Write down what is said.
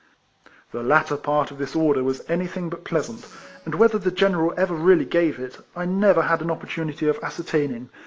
The latter part of this order was anything but pleasant ; and whether the General ever really gave it, I never had an opportunity of ascertaining.